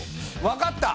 わかった！